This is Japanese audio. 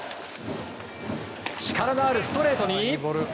力のあるストレートに。